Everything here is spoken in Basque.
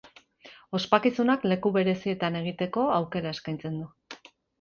Ospakizunak leku berezietan egiteko aukera eskaintzen du.